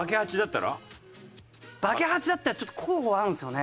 バケハチだったらちょっと候補はあるんですよね。